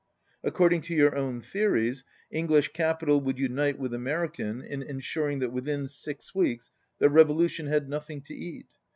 Ac cording to your own theories, English capital would unite with American in ensuring that within six weeks the revolution had nothing to eat.